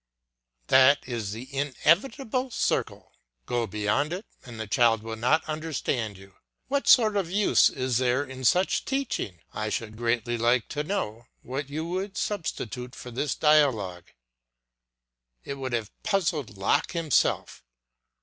That is the inevitable circle. Go beyond it, and the child will not understand you. What sort of use is there in such teaching? I should greatly like to know what you would substitute for this dialogue. It would have puzzled Locke himself.